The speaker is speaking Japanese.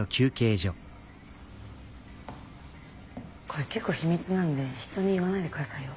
これ結構秘密なんで人に言わないでくださいよ。